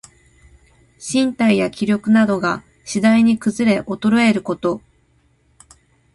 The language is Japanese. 身体や気力などが、しだいにくずれおとろえること。